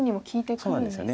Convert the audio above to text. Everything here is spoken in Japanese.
そうなんですよね。